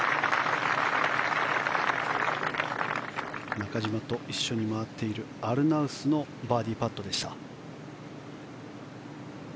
中島と一緒に回っているアルナウスのバーディーパットでした。